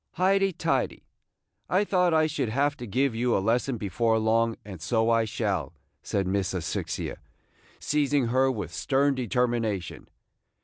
"Hity tity! I thought I should have to give you a lesson before long, and so I shall," said Miss Asphyxia, seizing her with stern determination.